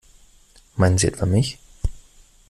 Meinen Sie etwa mich?